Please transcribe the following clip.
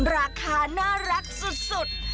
ราคาน่ารักสุด